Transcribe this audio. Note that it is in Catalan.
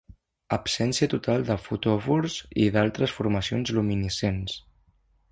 Absència total de fotòfors i d'altres formacions luminescents.